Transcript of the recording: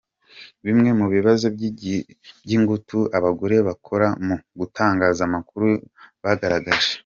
Bimwe mu bibazo by’ingutu abagore bakora mu itangazamakuru bagaragaje.